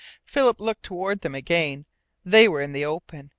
Philip looked toward them again. They were in the open.